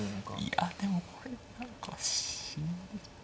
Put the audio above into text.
いやでもこれ何か。